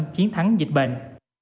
chiến thắng dịch bệnh